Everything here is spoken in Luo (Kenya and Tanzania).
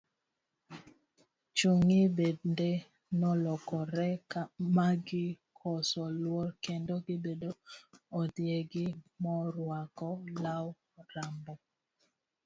Chunygi bende nolokore ma gikoso luor, kendo gibedo ondiegi moruako lau rambo.